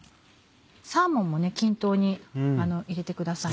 サーモンも均等に入れてください。